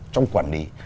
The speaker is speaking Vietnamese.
trong quản lý